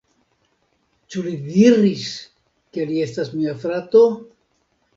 Ĉu li diris, ke li estas mia frato?